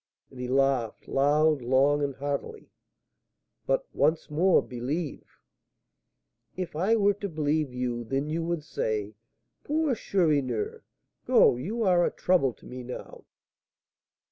And he laughed long, loud, and heartily. "But, once more, believe " "If I were to believe you, then you would say, 'Poor Chourineur! go! you are a trouble to me now.'"